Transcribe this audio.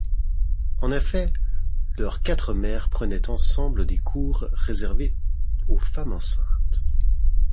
En effet, leurs quatre mères prenaient ensemble des cours réservés aux femmes enceintes.